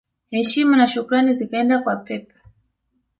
Heshima na shukrani zikaenda kwa Pep